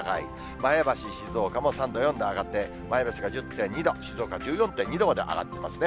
前橋、静岡も、３度、４度上がって、前橋は１０．２度、静岡１４．２度まで上がってますね。